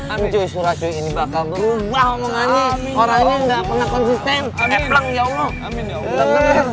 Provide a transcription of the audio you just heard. amin surah ini bakal berubah orangnya nggak pernah konsisten ya allah